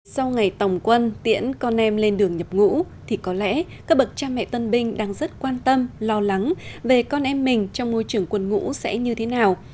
sau ngày tòng quân tiễn con em lên đường nhập ngũ thì có lẽ các bậc cha mẹ tân binh đang rất quan tâm lo lắng về con em mình trong môi trường quân ngũ sẽ như thế nào